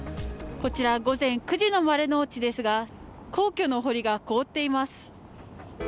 こちら午前９時の丸の内ですが皇居のお堀が凍っています。